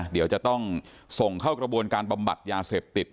เดี๋ยวจะต้องส่งเข้ากระบวนการบำบัดยาเสพติด